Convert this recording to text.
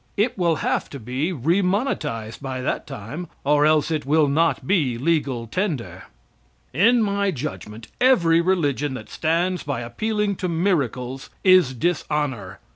It will have to be remonetized by that time, or else it will not be legal tender. In my judgment, every religion that stands by appealing to miracles is dishonor.